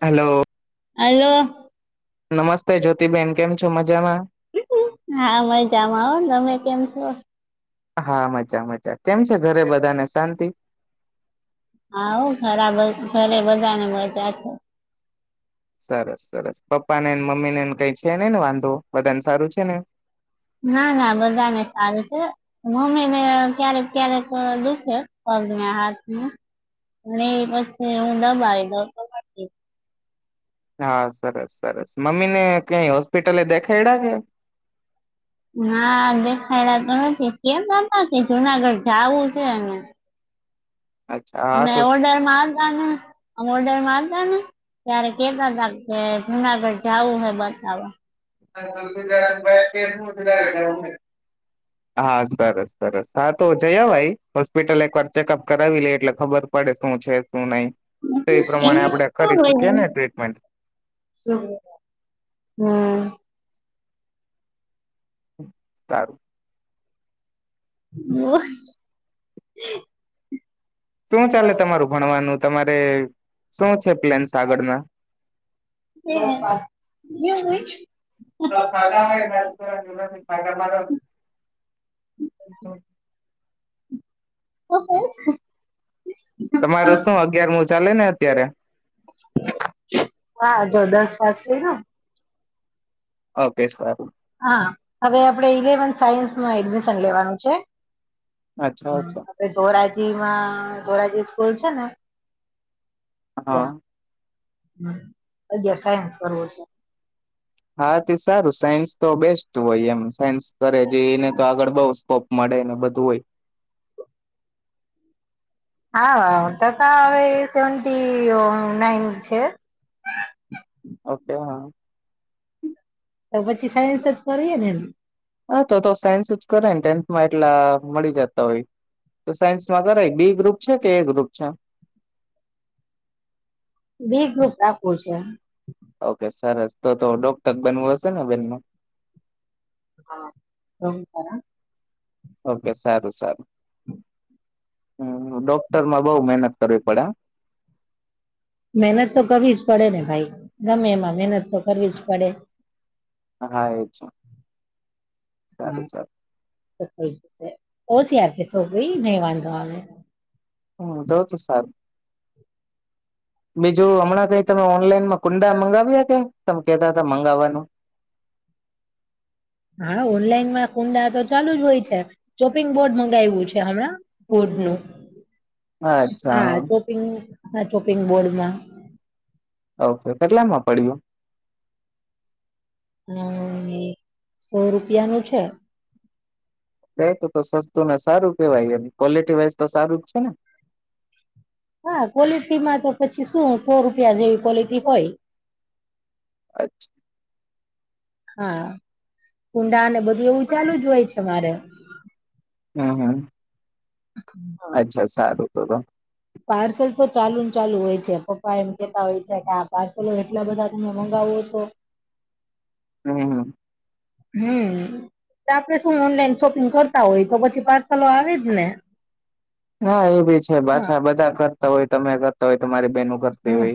Hello. Hello. નમસ્તે જ્યોતિબેન કેમ મજામાં. હા મજજામાં આવ તમે કેમ છો. હા મજા મજા. કેમ છે ઘરે બધા ને શાંતિ. હા ખરા ઘરે બધા ને મજા છે. સરસ સરસ પપ્પા નેને મમ્મી ને એને કઈ છે ને ને વાંધો બધાને સારું છે ને. ના ના બધાને સારું છે મમ્મીને ક્યારેક ક્યારેક દુખે પગના હાથમાં પણ એ પછી હું દબાવી દઉતો. હા સરસ. સરસ મમ્મી ને ક્યાંય હો ના દે ખાયલા હા છે કેમ ના ના એ જુનાગઢ જાવું છે ને? અચ્છા હા અમે તો એવોર્ડરમાં આ અમ ઓર્ડરમાં આવતા ને ત્યારે કેતા તા કે જુનાગઢ જાવું હ બતાવા. [inaudible] હા સરસ સરસ હા તો જયાવાય હોસ્પિટલ એક વાર ચેકઅપ કરાવી લે એટલે ખબર પડે શું છે. શું નઈ તો એ પ્રમાણે આપણે કરીશું કેને ટ્રીટમેન્ટ. હમ સારું. [inaudible] શું ચાલે તમારું ભણવાનું? તમારે શું છે પ્લેન સાગળ ના? [inaudible] [inaudible] તમારું શું અગયારમું ચાલે ને અત્યારે? હા જો દસ પાસ કર્યું. હ પેસવારુ. હા હવે આપણેે ઈલેવન સાયન્સમાં એડમિશન લેવાનું છે. અચ્છા અચ્છા [unintelligible] [unintelligible] માં બોરાજી સ્કૂલ છે ને હા. હમ્મ. અગિયાર સાયન્સ કરવો છે. હા તે સારું સાયન્સ તો બેસ્ટ હોય. એમ સાયન્સ કરે છે એને તો આગળ બઉ સ્કોપ મળે ને બધું હોય. હા [unintelligible] એ ન્નૈનાથ હે? ઓકે હા. તો પછી સાયન્સ જ ફરીએ ને? હા તો તો સાયન્સ જ કરેને ટેન્થમાં એટલા મળી જતા હોય તો સાયન્સમાં કરાય બી ગ્રુપ છે કે એ ગ્રુપ છે વ રાખવું છે ઓકે સરસ તો તો ડોક્ટર બનવું હશે ને બેનમાં હા ઓકે સારું સારું હમ હમ ડોક્ટરમાં બહ મહેહનત કરવી પડે મહેનત તો કરવી જ પડેને ભાઈ ગમે એમાં મહેનત તો કરવી જ પડે પડે હા એ છે હા સારું સારું તો થઈ જશે ઓ સયાર છે સો ગઈ નહી વાંધો આવે હમ તો તો સારું બીજું હમણાં કઈ તમે ઓનલાઈન કુંડા મંગા વ આ કે તમે કેતા હતા મંગાવવાનું હા ઓનલાઈન માં કુંડા તો ચાલુ જ હોય છે ચોપિંગ બોર્ડ મંગાવ્યું છે હમણાં વૂડ નું હા ચોપિંગ ના ચોપિંગ બોર્ડ માં ઓકે કેટલા માં પડ્યું હ સો રૂપિયા નું છે ક તો તો સસ્તું ને સારું કેવાયને ક્વોલિટી વાઈઝ તો સારું જ છે ને હા ક્વોલિટીમાં તો પછી શું સો રૂપિયા જેવી ક્વલિટી હોય હા કુંડા ને બધું એવું ચાલુ જ હોય છે મારે હમ હમ હા, અચ્છા સારું ા પાર્સલ તો ચાલુ ને ચાલુ હોય પપ્પા એમ કેતા હોય છે કે આ પાર્સલો એટલા બધા તમે મંગાવો તો હમ હમ તો આપડે શું ઓનલાઈન શોપિંગ કરતા હોય તો પછી પાર્સલો આવે જ ને હા એ ભી છે હા પાછા બધા કરતા હોય મેા તો હા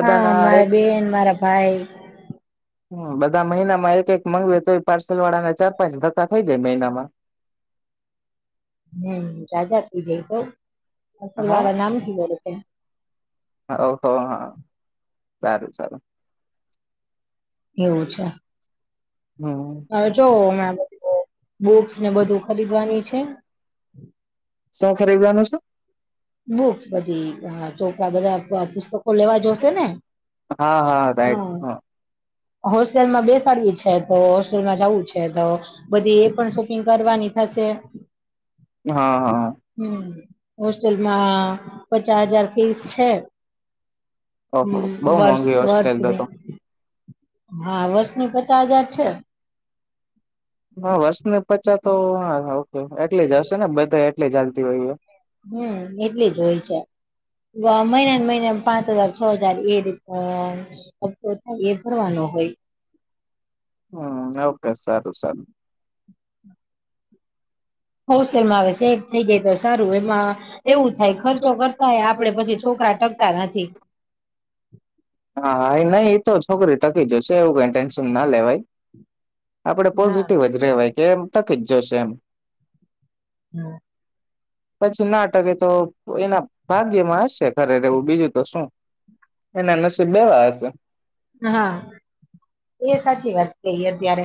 હા મારા એક બેન મારા ભાઈ હ બધા મહિના માં એક એક મગવે તો પાર્સલ વાળાને ચાર પજ તા થઈ જાય મહિનામાં ના રાજા આપ જઈ છે સલવાળ નામકીી બ [inaudible] હહ હા સારું સારું એવું છે હમ હવે જોવ મે બુક્સ ને બધું ખરીદવાની છે શું ખરીદવાનું છું બુક્સ બધી હ ચોકરા બધા પુસ્તકો લેવા જોશે ને હા હોસ્ટેલમાં બેસ્ટ ડવી છે તો હોલમાં જવું છે તો બધી એ પણ શોપિંગ કરવાની થશે હા હા હમ જેલમાં પચાસ હજાર ફીસ છે ઓહ હમ બહુ વર્ષ મોંઘી હોસ્ટેલ તો વર્ષની તો હા વર્ષની પચાસ હજાર છે હા વર્ષને પચા તો હા હ એટલે જ હશે ને બધા કેટલે જાલતી હોય એ હમ એટલી જ હોય છે મહિનાને મહિને પાંચ હજાર છ હજાર એી હપ્તો થાય એ ભરવાનો હોય હમ સારું સારું હોલસેલમાં આવે સેટ હા થઈ જાય તો સારું એમાં એવું થાય ખર્ચો કરતા હોય આપડે પછી છોકરા ટકતા નથી. નહી એ તો જ છોકરી ટકી જશે એવું કઈ ટેન્શન ના લેવાય આપડે હા પોઝિટિવ જ રેવાય જેમ તકી જ જશે એમ હમ પછી નાટકે તો તો એના ભાગ્યમાં હશે ખરે રવું બીજું તો શું એના નસીબવા હશે હા એ સાચી વાત કહી અત્યારે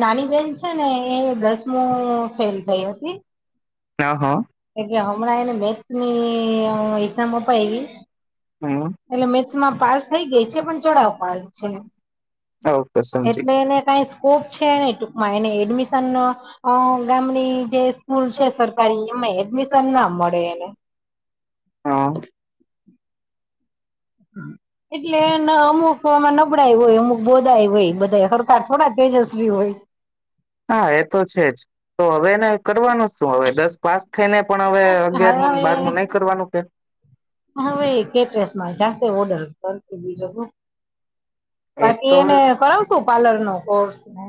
નાની બેહેન છે ને એ દસમું ફેલ થઈ હતી કા હોો એ હમણાં એને બેચ ની એામ અપવી હમ એટલે મેથસમાં પાસ થઈ ગઈ છે પણ ચડાવ પાસ છે ઓકે સમજી એટલે એને કઈ સ્કોપ છે નને ટૂકમાં એને એડમિશન ગામની જે સ્કૂલ છે સરકારી મે એડમિશન ના મળે એને હા હમ હોય અમુક બોદાય હોય બધા સરકાર થોડા તેજસ્વી હોય હા એ તો છેજ તો હવેને કરવાનું શું હવે દસ પાસ થઈને પણ હવે હા અગિયારમું ને હવે બારમું નહી કરવાનું કે હવે કેટ્રેસમાં જાસ્તે ઓર્ડર બીજ છો એ બાકી તો એને કરાવશું પાર્લર નો કોર્સ ને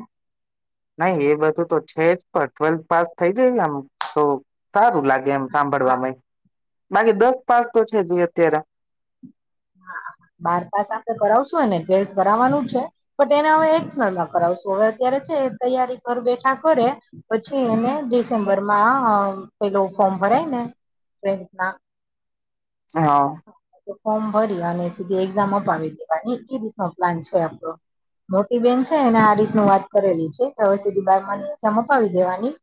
નહી એ બધું તો છે જ પણ ટ્વેલ્થ પાસ થઈ જાય આમ તો સારું લાગે એમ સાંભળવામાંય બાકી દસ પાસ તો છે જોઈ તેર બાર પાસ આપડે કરાવશું ટવેલ્થ કરાવવાનું છે પણ એને હવે એક્સનલમાં કરાવશું હવે અત્યારે છે તૈયારી કર બેઠા કરે પછી એને ડિસેમ્બરમાં પેલો ફોર્મ ભરાયને ટથ ના હા પણણ ફરી અને સીધી એક્ઝામ અપ આવીી દેવા ી નો પ્લાન છે આપડો મોટી બેન છે એને આ રીતનું વાત કરેલી છે હવે સુધી બારની એઝામ અપાવી દેવાની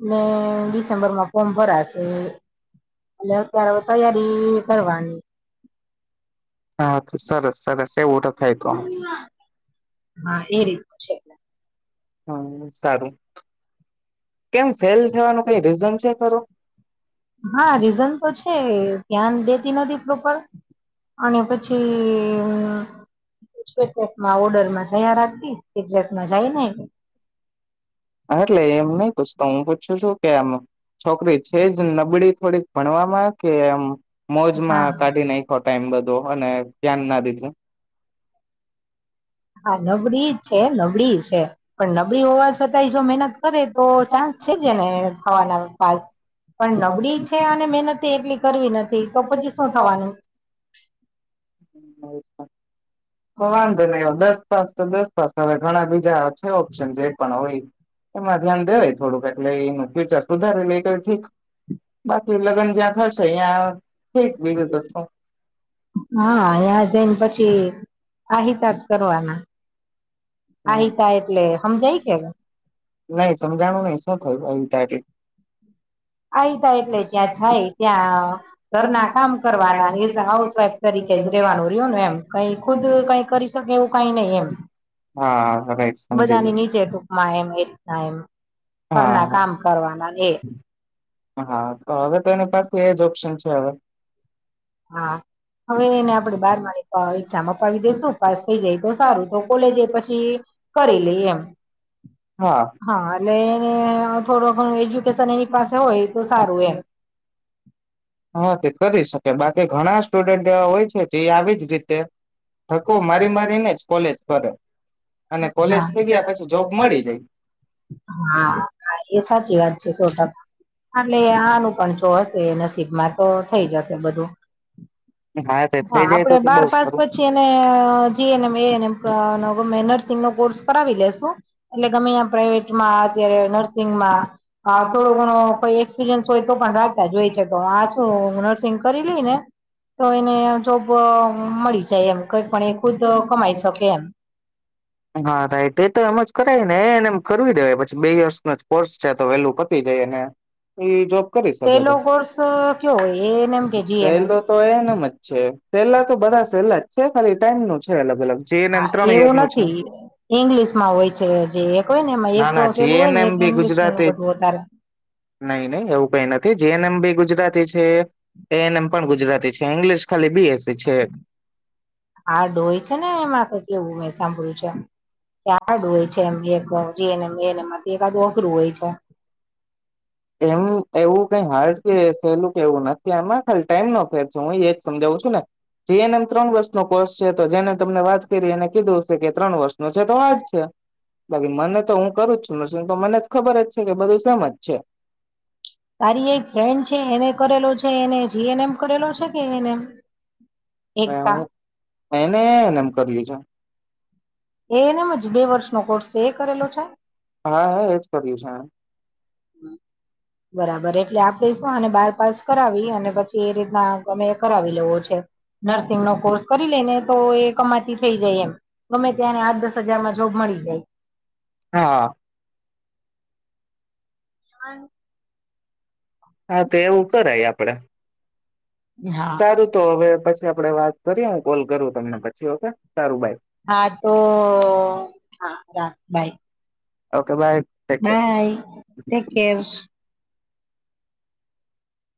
અને ડિસેમ્બરમાં ફોર્મ ભરાશે એટ અત્યારે હવે તૈયારી કરવાની હા સરસ સરસેટ ખાયતો હા એ રીતનું છે એટલે હમ સારું કેમ ફેલ થવાનું કઈ રીઝન છે ખરું હા રીઝન તો છે ધ્યાન દેતી નથી પ્રપર હન એ પછી સ્ટેટસમાં ઓર્ડરમાં જયા રાખતી સ્ટેટસમાં જાય ને એટલે એમ નહ પૂછતો હું ું શું કે આમ છોકરી છે જ નબળી થોડીક ભણવામાં કે એમ હા મોજમાં કાઢી નાખો ટાઈમ બધું અને ધ્યાન ના દીધું હા નો બ્રી છે નબળી છે પણ નબળી હોવા છતાંય જો મહેનત કરે તો ચાન્સ છે જને ખવાના પા પણ નબળી છે અને મહેનતે એટલી કરવી નથી પછી શું થવાનું તો વાંધો નહી દસ પાસ તો દસ પાસ હવે ઘણા બીજા છે ઓપ્શન જે પણ હોય એમાં ધ્યાન દેવાય થોડુંક એટલે વિચાર સુધારી લ ઠીક બાકી લગ્ન જ્યાં થશે તં ઠીક બીજું તો શું. આ હિતાજ કરવાના. આહિતા એટલે સમજાય કે નઈ સમજાણું નઈ શું થયું તથી? આ ત એટલે ત્યાં જાય ત્યાં ઘરના કામ કરવાના એઝ હાઉસવાઈફ તરીકે જ રેવાનું રહ્યો એમ કઈ ખુદ કઈ કરી શકે એવું કઈ નહી એમ. હા. રાઈટ સમજી ગય બધાની નીચે ટૂંકમાં એમ એ રીતના એમ. હા કરના હા કામ કરવા એ હા તો હવે તો એની પાસે એજ ઓપ્શન છે હવે. હા હવે એને આપણે બારમાની એક્ઝામ અપાવી દેસુ પાસ થઈ જાય તો સારું તો કોલેજ પછી કરી લઈ એમ હા એટ થોડો ઘણું એજ હા તે કદી શ કે બાકી ઘણા સ્ટુડન્ટ એવા હોય જે આવી જ રીતે ઠકો મારી મારીને જ કોલેજ કરે. અને કોલેજ થઇ ગયા પછી જોબ મળી જાય. હા એ સાચી વાત છે. અને નાનું પણ હશે નસીબમાં તો થઈ જશે બધું તે હા થઈ જાય આપડે તો બાર બઉ પાસ સારું પછી એને જમ એમ નર્સિંગ નો કોર્સ કરાવી લેશુ એટલે ગમે પ્રાઈવેટમાં અત્યારે નર્સિંગમાં થોડો ઘણો કોઈ એક્સપિરિયન્સ હોય તો પણ રાતા જ હોય છે તો આ શું નર્સિંગ કરી લઈ ને તો એને જોબ મળી જાય એમ કંઈક પણ એ ખુદ કમાઈ શકે એમ. હા રાઈટ એ તો એમ જ કરાય ને એ કર દે પછી બે વયર્સ ન કોર્સ છે તો વેલ્યુ પતિ જાય અને જોબ કરી સેલો શકે કોર્સ કયો હોય એએનએમ કે સહેલ જીએનએમ તો એનમ જ છે સેલા તો બધા સેલા જ છે ખાલી ન નો છે અલગ અલગ જે એન એમ હા ત્રણ યર એવું નું છે નથી ઇંગ્લિશ માં હોય છે જે હોય ને એમાં એક ના ના પેલું જી હોય એન ને એમ એક બી ઇંગ્લિશનું ગુજરાતી બધું વધારે નઈ નહી એવું કઈ નથી. જે એન મ બિ ગુજરાતીજ એ એન એમ પણ ગુજરાતી છે ઇંગલશ ખલી બીએ સ છે. આ ડોય છે ને એમાં કે કેવું સાંભળ્યું છે કે હાર્ડ હોય છે એમ એક જીએનએમ એનએમમાંથી એકાદું અઘરું હોય છે એમ એવું કઈ હાર્ડ કે સહેલું કે એવું નથી ત્યામાં ખાલી ટાઈમ નો ફેર છે હું એજ સમજાવું છું ને જેનમ ત્રણ વર્ષ ન કોર્ષ છે તો જેને તમને વાત કરી એને કીધું હશે કે ત્રણ વર્ષનો જતો વા જ છે બાકી મને તો હું કરું છું નર્સિંગ તો મને ખબર જ છે કે બધું સજ છે તારી એક ફ્રેન્ડ છે એને કરેલો છે એને જી એન એમ કરેલો છે કે એને એમ એનેને એમ કર્યું છે એનેમ જ બે વર્ષનો કોર્સ છે એ કરેલો છે હા હા એજ કર્યું છે બરાબર એટલે આપે શું અને બાર પાસ કરાવી અને પછી એ રીતના અમે કરાવી લેવો છે નર્સિંગ નો કોર્સ કરી લઈને તો એ કમાતી થઈ જાય એમ ગમે ત્યાંને આઠ દસ હજારમાં જોબ મળી જાય હા હ હા તો એવું કરાય આપડે હા સારું તો હવે પછી આપડે વાત કરીએ હું કોલ કરું તમને પછી ઓકે સારું બાય હા તો હા રાખ bye okay bye take care નાાઈ ટેક કેર